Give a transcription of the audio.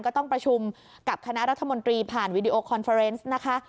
ก็ต้องประชุมกับคณะรัฐมนตรีผ่านวีดีโอคอนเฟอร์เนสนะคะ